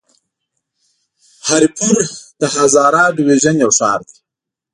هري پور د هزاره ډويژن يو ښار دی.